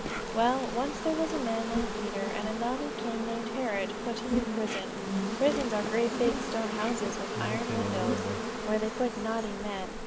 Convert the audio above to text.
"Well, once there was a man named Peter, and a naughty king named Herod put him in prison. Prisons are great big stone houses with iron windows, where they put naughty men.